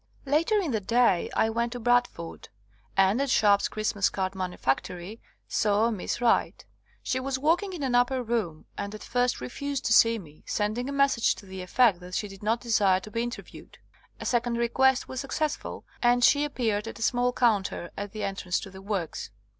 Later in the day I went to Bradford, and at Sharpe's Christmas Card Manufactory saw Miss Wright. She was working in an upper room, and at first refused to see me, sending a message to the effect that she did not desire to be interviewed. A second re quest was successful, and she appeared at a small counter at the entrance to the works.